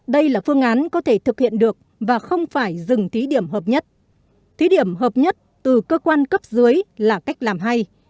đây là phương án có thể thực hiện được và không phải dừng thí điểm hợp nhất thí điểm hợp nhất từ cơ quan cấp dưới là cách làm hay